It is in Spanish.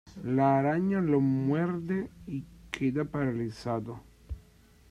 La araña lo muerde y queda paralizado.